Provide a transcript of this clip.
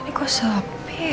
ini kok sepi ya